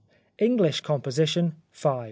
English Composition — 5.